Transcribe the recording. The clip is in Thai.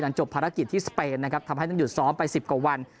จบภารกิจที่สเปนนะครับทำให้ต้องหยุดซ้อมไป๑๐กว่าวัน